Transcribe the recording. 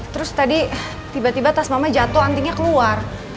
terus tadi tiba tiba tas mama jatuh antingnya keluar